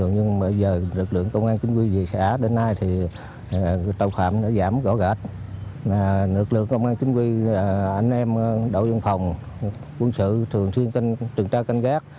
nước lượng công an chính quy anh em đội văn phòng quân sự thường xuyên trường tra canh gác